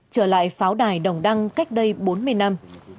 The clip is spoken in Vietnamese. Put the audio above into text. trở lại pháo đài đồng đăng cách đây bốn mươi năm